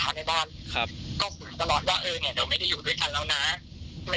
พี่เกียจว่าพี่เกียจจะทำยังไงกับดิหนูยังไงก็ได้แต่ว่าหนูขอลองได้ไหมหนูอยากให้น้องแบบ